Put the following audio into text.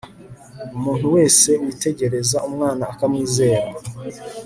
umuntu wese witegereza umwana akamwizera